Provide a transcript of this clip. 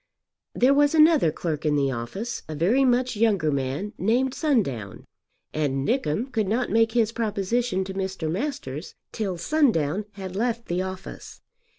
There was another clerk in the office, a very much younger man, named Sundown, and Nickem could not make his proposition to Mr. Masters till Sundown had left the office.